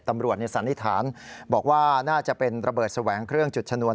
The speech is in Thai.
สันนิษฐานบอกว่าน่าจะเป็นระเบิดแสวงเครื่องจุดชนวน